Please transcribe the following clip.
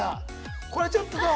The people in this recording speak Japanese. これちょっとどう？